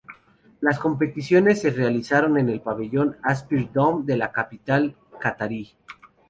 Las competiciones se realizaron en el pabellón Aspire Dome de la capital qatarí.